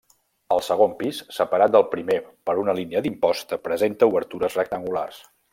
El segon pis, separat del primer per una línia d'imposta presenta obertures rectangulars.